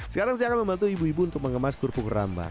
sekarang saya akan membantu ibu ibu untuk mengemas kerupuk rambah